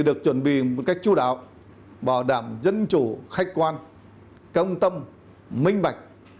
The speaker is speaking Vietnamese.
được chuẩn bị một cách chú đạo bảo đảm dân chủ khách quan công tâm minh bạch